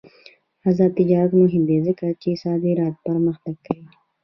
آزاد تجارت مهم دی ځکه چې صادرات پرمختګ کوي.